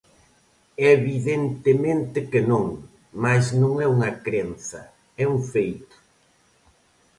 Evidentemente que non, mais non é unha crenza, é un feito.